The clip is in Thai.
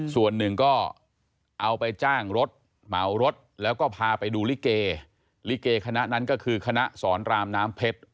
ส่วนหนึ่งก็เอาไปจ้างรถเหมารถแล้วก็พาไปดูลิเกลิเกคณะนั้นก็คือคณะสอนรามน้ำเพชร